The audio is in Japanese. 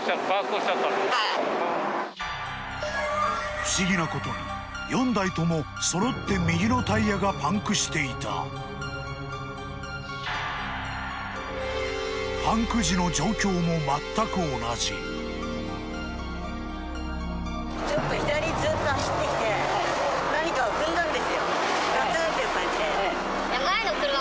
不思議なことに４台ともそろって右のタイヤがパンクしていたパンク時の状況も全く同じガツンという感じで。